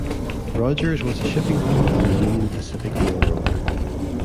Rogers was a shipping point on the Union Pacific Railroad.